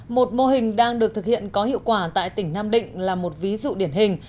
một mô hình đang được thực hiện có hiệu quả tại tỉnh nam định là một ví dụ điển hình